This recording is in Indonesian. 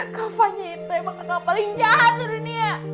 kau vanya itu yang bakal paling jahat di dunia